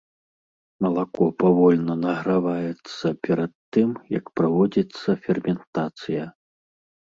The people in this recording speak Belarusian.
Малако павольна награваецца перад тым, як праводзіцца ферментацыя.